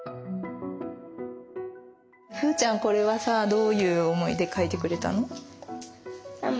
これはさぁどういう思いで描いてくれたの？